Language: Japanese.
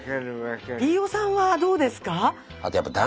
飯尾さんはどうですか？